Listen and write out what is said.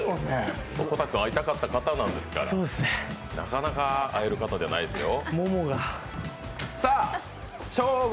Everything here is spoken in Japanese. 小瀧君、会いたかった方なんですからなかなか会える方じゃないですよ。